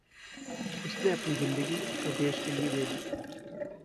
उसने अपनी ज़िन्दगी अपने देश के लिए दे दी।